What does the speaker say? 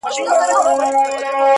والوتل خوبونه تعبیرونو ته به څه وایو!!